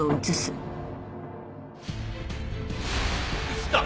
映った！